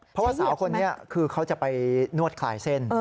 เพราะว่าสาวคนนี้คือเขาจะไปนวดคลายเส้น